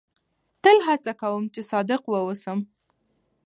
تل هڅه کوم، چي صادق واوسم.